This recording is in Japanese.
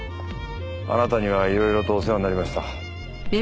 あなたにはいろいろとお世話になりました。